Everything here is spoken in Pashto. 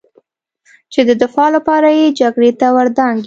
چې د دفاع لپاره یې جګړې ته ودانګي